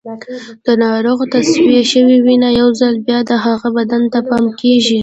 د ناروغ تصفیه شوې وینه یو ځل بیا د هغه بدن ته پمپ کېږي.